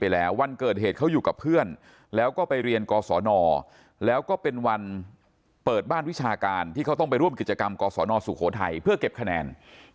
แล้วก็เป็นวันเปิดบ้านวิชาการที่เขาต้องไปร่วมกิจกรรมกสนสุโขทัยเพื่อเก็บคะแนน